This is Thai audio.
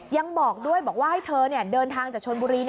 ยังบอกด้วยบอกว่าให้เธอเดินทางจากชนบุรี